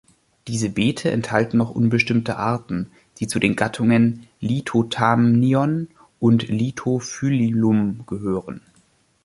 Diese Beete enthalten noch unbestimmte Arten, die zu den Gattungen „Lithothamnion“ und „Lithophyllum“ gehören.